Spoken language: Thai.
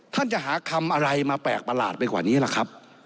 ท่านจะหาคำอะไรมาแปลกประหลาดไปกว่านี้ล่ะครับ